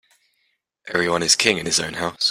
Every one is king in his own house.